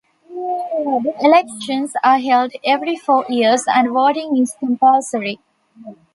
Elections are held every four years and voting is compulsory.